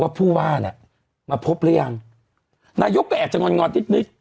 ผู้ว่าเนี่ยมาพบหรือยังนายกก็แอบจะงอนงอนนิดนิด